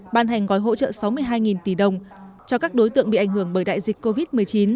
ban hành gói hỗ trợ sáu mươi hai tỷ đồng cho các đối tượng bị ảnh hưởng bởi đại dịch covid một mươi chín